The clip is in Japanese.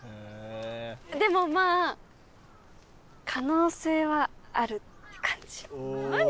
でもまあ可能性はあるって感じ何？